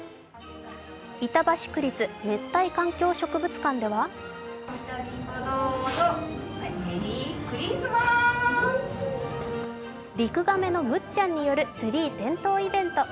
板橋区立熱帯環境博物館では、リクガメのむっちゃんによるツリー点灯イベント。